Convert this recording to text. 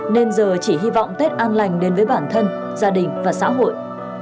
nên giờ chỉ hy vọng tết an lành đến với bản thân gia đình và xã hội